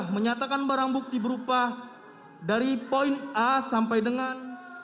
menyatakan barang bukti berupa dari poin a sampai dengan